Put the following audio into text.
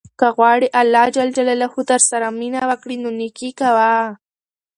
که غواړې اللهﷻ درسره مینه وکړي نو نېکي کوه.